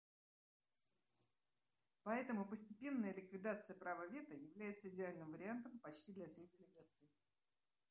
Поэтому постепенная ликвидация права вето является идеальным вариантом почти для всех делегаций.